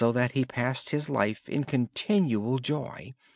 Thus he passed his life in continual joy.